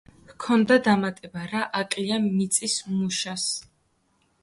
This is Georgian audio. ჰქონდა დამატება „რა აკლია მიწის მუშას“.